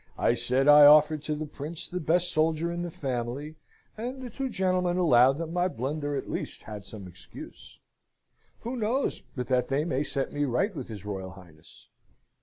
I said I offered to the Prince the best soldier in the family, and the two gentlemen allowed that my blunder at least had some excuse. Who knows but that they may set me right with his Royal Highness?